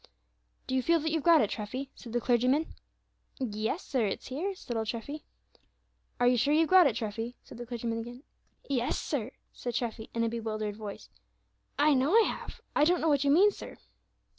"Do you feel that you've got it, Treffy?" said the clergyman. "Yes, sir, it's here," said old Treffy. "Are you sure you've got it, Treffy?" said the clergyman again. "Yes, sir," said Treffy, in a bewildered voice, "I know I have; I don't know what you mean, sir."